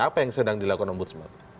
apa yang sedang dilakukan ombudsman